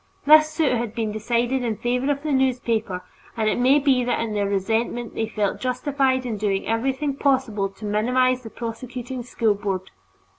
This suit has since been decided in favor of the newspaper, and it may be that in their resentment they felt justified in doing everything possible to minimize the prosecuting School Board.